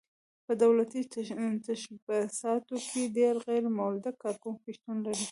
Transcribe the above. په دولتي تشبثاتو کې ډېر غیر مولد کارکوونکي شتون لري.